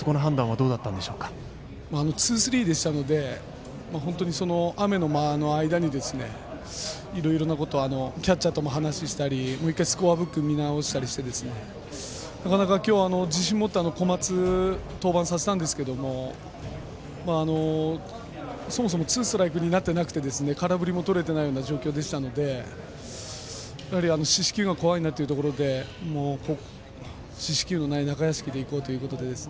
中屋敷投手への継投あそこの判断はツースリーだったので雨の間の間に、いろいろなことキャッチャーとも話をしたりもう１回スコアブック見直したりしてなかなか今日、自信持って小松を登板させたんですけどそもそもツーストライクになってなくて空振りもとれていないような状況だったので四死球が怖いなってことで四死球のない中屋敷でいこうということで。